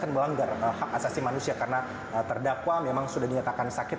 dan melanggar hak asasi manusia karena terdakwa memang sudah dinyatakan sakit